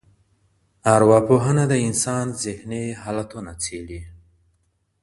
ارواپوهنه د انسان ذهني حالتونه څېړي.